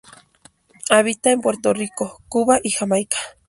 Habita en Puerto Rico, Cuba y Jamaica.